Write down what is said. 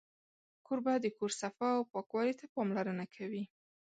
کوربه د کور صفا او پاکوالي ته پاملرنه کوي.